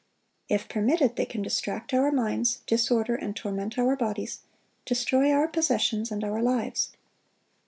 If permitted, they can distract our minds, disorder and torment our bodies, destroy our possessions and our lives.